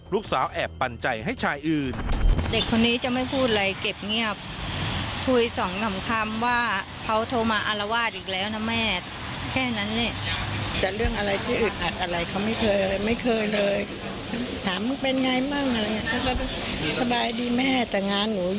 ลูกสาวแอบปั่นใจให้ชายอื่น